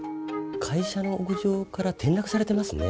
会社の屋上から転落されてますね。